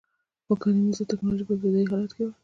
خو کرنیزه ټکنالوژي په ابتدايي حالت کې وه